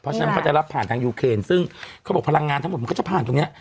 เพราะฉะนั้นเขาจะรับผ่านทางยูเคนซึ่งเขาบอกพลังงานทั้งหมดมันก็จะผ่านตรงนี้